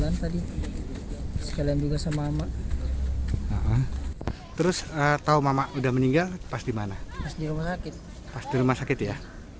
bulan tadi sekalian juga sama terus atau mama udah meninggal pas dimana pas di rumah sakit ya